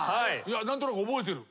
何となく覚えてる。